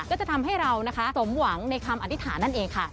จะทำให้เรานะคะสมหวังในคำอธิษฐานนั่นเองค่ะ